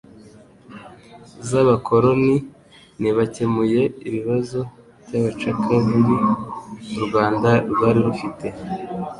z'abakoroni. Ntibakemuye ibibazo by'amacakubiri u Rwanda rwari rufite,